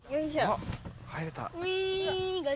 あ入れた。